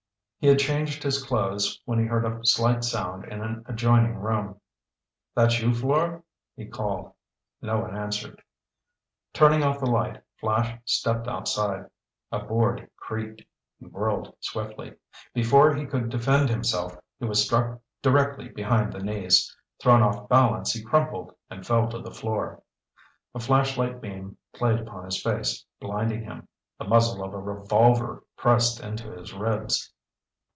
He had changed his clothes, when he heard a slight sound in an adjoining room. "That you, Fleur?" he called. No one answered. Turning off the light, Flash stepped outside. A board creaked. He whirled swiftly. Before he could defend himself, he was struck directly behind the knees. Thrown off balance, he crumpled and fell to the floor. A flashlight beam played upon his face, blinding him. The muzzle of a revolver pressed into his ribs.